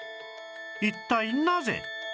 一体なぜ！？